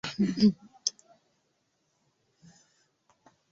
Ili kukulinda kutokana na dhoruba